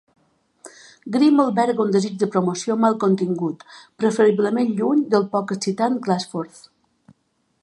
Grim alberga un desig de promoció mal contingut, preferiblement lluny del poc excitant Gasforth.